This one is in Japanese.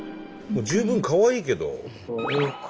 もう十分かわいいけど。